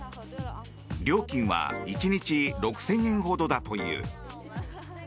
料金は１日６０００円ほどだという。